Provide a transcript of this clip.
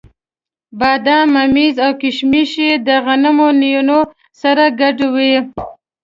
بادام، ممیز او کېشمش یې د غنمو نینو سره ګډ وو.